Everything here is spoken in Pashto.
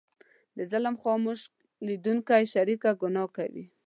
د ظلم خاموش لیدونکی شریکه ګناه کوي.